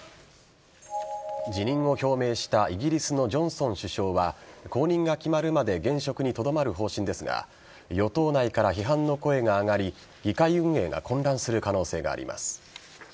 辞任を表明したイギリスのジョンソン首相は後任が決まるまで現職にとどまる方針ですが与党内から批判の声が上がり議会運営が混乱する可能性があります。